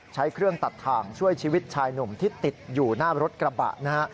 ใช้เครื่องตัดถ่างช่วยชีวิตชายหนุ่มที่ติดอยู่หน้ารถกระบะนะฮะ